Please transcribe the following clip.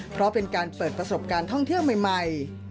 เพราะเป็นการเปิดประสบการณ์ท่องเที่ยวใหม่